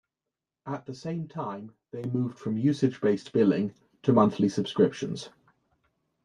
At the same time, they moved from usage-based billing to monthly subscriptions.